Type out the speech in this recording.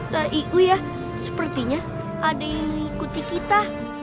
tidak ada sepertinya ada yang mengikuti kita